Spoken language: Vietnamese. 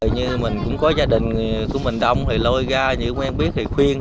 như mình cũng có gia đình của mình đông thì lôi ra như các em biết thì khuyên